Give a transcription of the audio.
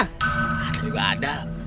nah itu juga ada